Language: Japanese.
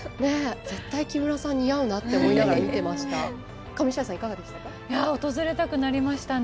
絶対、木村さん似合うなって思いながら訪れたくなりましたね。